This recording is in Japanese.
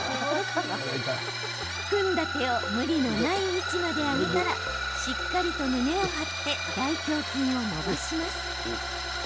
組んだ手を無理のない位置まで上げたら、しっかりと胸を張って大胸筋を伸ばします。